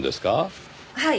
はい。